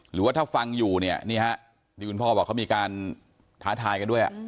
หรือว่าถ้าฟังอยู่เนี่ยนี่ฮะที่คุณพ่อบอกเขามีการท้าทายกันด้วย